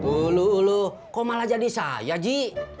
ulu ulu kok malah jadi saya ji